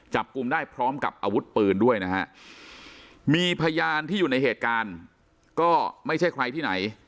จับกลุ่มได้พร้อมกับอาวุธปืนด้วยนะฮะมีพยานที่อยู่ในเหตุการณ์ก็ไม่ใช่ใครที่ไหน